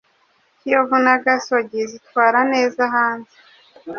Kiyovu na Gasogi zitwara neza hanze